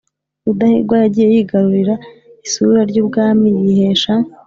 rudahigwa yagiye yigarurira isura ry'ubwami yihesha